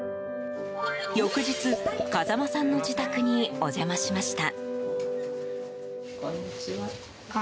翌日、風間さんの自宅にお邪魔しました。